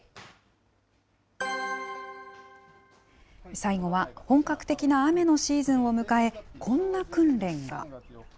最後は、本格的な雨のシーズンを迎え、こんな訓練が。